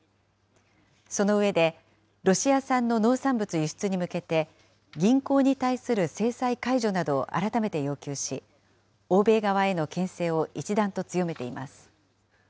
その上で、ロシア産の農産物輸出に向けて、銀行に対する制裁解除などを改めて要求し、欧米側へのけん制を一段と強めています。